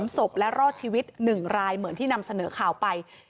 ๓ศพและรอดชีวิต๑รายเหมือนที่นำเสนอข่าวไป